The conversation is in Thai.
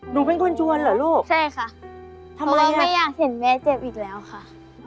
หนูเป็นคนชวนเหรอลูกเพราะว่าไม่อยากเห็นแม่เจ็บอีกแล้วค่ะทำไมล่ะ